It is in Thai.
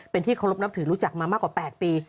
เป็นที่เคารพนับถือรู้จักมามากกว่า๘ปี